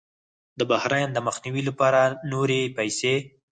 د بحران د مخنیوي لپاره نورې پیسې